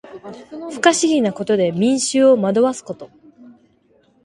不可思議なことで民衆を惑わすこと。